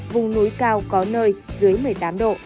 vùng núi cao có nơi dưới một mươi tám độ